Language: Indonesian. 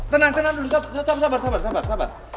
tenang tenang dulu tetap sabar sabar sabar sabar